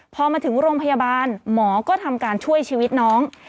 พอมาถึงโรงพยาบาลหมอก็ทำการช่วยชีวิตน้อง